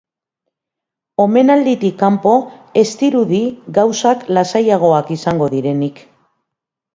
Omenalditik kanpo, ez dirudi gauzak lasaiagoak izango direnik.